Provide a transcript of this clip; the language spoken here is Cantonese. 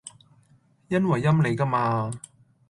因為陰你㗎嘛